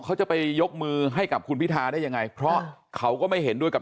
เขาจะไปยกมือให้กับคุณพิทาได้ยังไงเพราะเขาก็ไม่เห็นด้วยกับ